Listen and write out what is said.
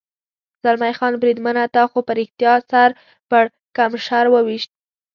زلمی خان: بریدمنه، تا خو په رښتیا سر پړکمشر و وېشت.